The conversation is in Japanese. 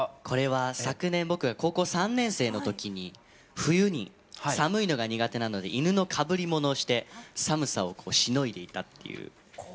これは昨年僕が高校３年生のときに冬に寒いのが苦手なので犬のかぶり物をして寒さをしのいでいたっていう。